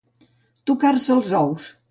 Tocar-se els ous.